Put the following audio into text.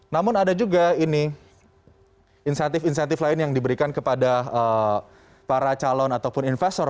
namun ada juga ini insentif insentif lain yang diberikan kepada para calon ataupun investor